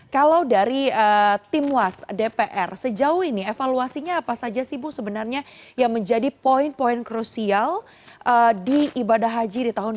kalau dari tim was dpr sejauh ini evaluasinya apa saja sih bu sebenarnya yang menjadi poin poin krusial di ibadah haji di tahun dua ribu dua puluh